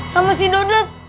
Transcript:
sama si dodot